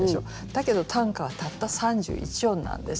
だけど短歌はたった三十一音なんですよね。